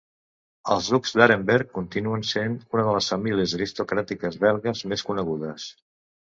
Els ducs d'Arenberg continuen sent una de les famílies aristocràtiques belgues més conegudes.